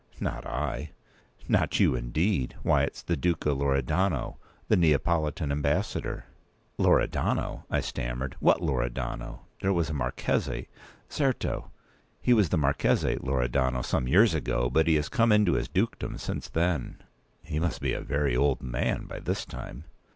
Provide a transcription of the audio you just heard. "Not I." "Not you, indeed! Why, it's the Duca Loredano, the Neapolitan ambassador." "Loredano!" I stammered. "What Loredano? There was a Marchese—" "Certo. He was the Marchese Loredano some years ago; but he has come into his dukedom since then." "He must be a very old man by this time."